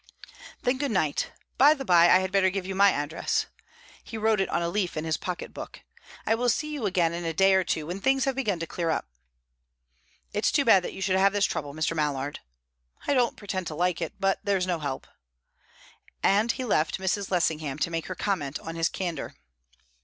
"Then, good night. By the bye, I had better give you my address." He wrote it on a leaf in his pocket book. "I will see you again in a day or two, when things have begun to clear up." "It's too bad that you should have this trouble, Mr. Mallard." "I don't pretend to like it, but there's no help." And he left Mrs. Lessingham to make her comment on his candour.